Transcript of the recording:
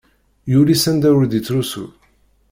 Yuli s anda ur d-ittrusu.